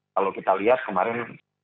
kalau kita lihat kemarin